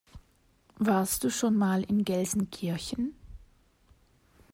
Warst du schon mal in Gelsenkirchen?